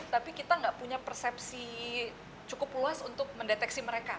tapi kita nggak punya persepsi cukup luas untuk mendeteksi mereka